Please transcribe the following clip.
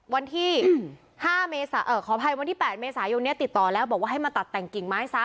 วันที่ขออภัยวันที่๘เมษายนนี้ติดต่อแล้วบอกว่าให้มาตัดแต่งกิ่งไม้ซะ